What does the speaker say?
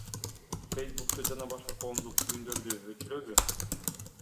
Фэйсбукту жана башка коомдук түйүндөрдү өчүрөбү?